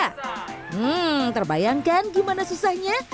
hmm terbayangkan gimana susahnya